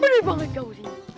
bener banget kamu si